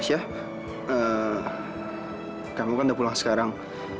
kamu kan udah pulang sekarang